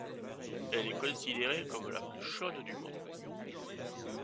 Elle est considérée comme la plus chaude du monde.